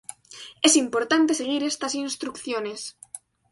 Es importante seguir estas instrucciones.